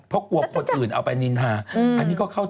เพราะกลัวคนอื่นเอาไปนินทาอันนี้ก็เข้าใจ